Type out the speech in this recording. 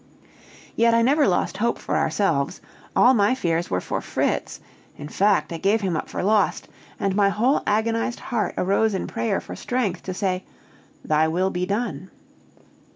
Yet I never lost hope for ourselves all my fears were for Fritz; in fact I gave him up for lost, and my whole agonized heart arose in prayer for strength to say, "Thy will be done!"